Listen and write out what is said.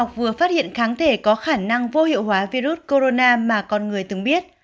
phát hiện kháng thể có khả năng vô hiệu hóa virus corona mà con người từng biết